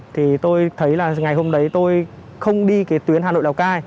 thì tôi thấy là ngày hôm đấy tôi không đi cái tuyến hà nội lào cai